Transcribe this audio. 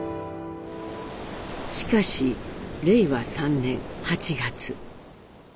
しかし令和３年８月。